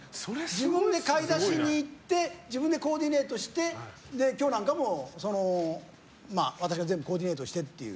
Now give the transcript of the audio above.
自分で買い出しに行って自分でコーディネートして今日なんかも私が全部コーディネートして。